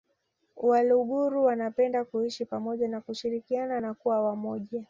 Waluguru wanapenda kuishi pamoja na kushirikiana na kuwa wamoja